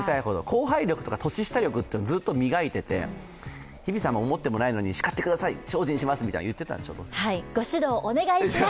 後輩力とか年下力とかずっと磨いてて日比さんも思ってもないのに、しかってください、精進しますってはい、ご指導お願いします！